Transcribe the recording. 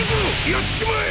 やっちまえ！